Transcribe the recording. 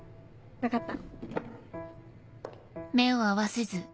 分かった。